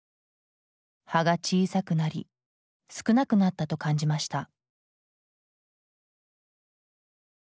葉が小さくなり少なくなったと感じました。